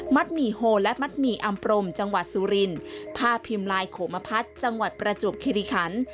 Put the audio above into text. หมี่โฮและมัดหมี่อำพรมจังหวัดสุรินผ้าพิมพ์ลายโขมพัฒน์จังหวัดประจวบคิริคัน